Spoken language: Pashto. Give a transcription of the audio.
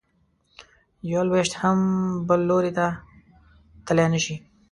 یو لویشت هم بل لوري ته تلی نه شې.